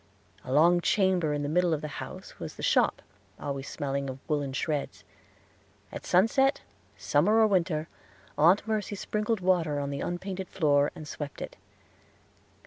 A long chamber in the middle of the house was the shop, always smelling of woolen shreds. At sunset, summer or winter, Aunt Mercy sprinkled water on the unpainted floor, and swept it.